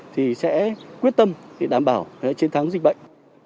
thì sẽ quyết tâm để đảm bảo chiến thắng dịch bệnh